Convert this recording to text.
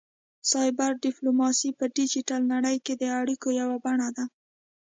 سایبر ډیپلوماسي په ډیجیټل نړۍ کې د اړیکو یوه بڼه ده